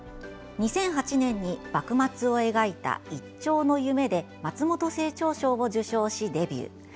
２００８年に幕末を描いた「一朝の夢」で松本清張賞を受賞し、デビュー。